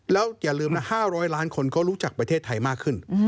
แล้วอย่าลืมนะ๕๐๐ล้านคนเขารู้จักประเทศไทยมากขึ้น